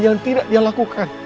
yang tidak dia lakukan